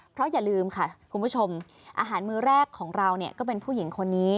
เพราะอย่าลืมค่ะคุณผู้ชมอาหารมือแรกของเราเนี่ยก็เป็นผู้หญิงคนนี้